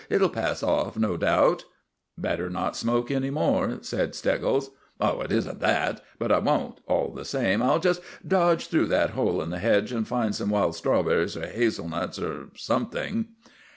It'll pass off, no doubt." "Better not smoke any more," said Steggles. "It isn't that, but I won't, all the same. I'll just dodge through that hole in the hedge and find some wild strawberries or hazel nuts, or something."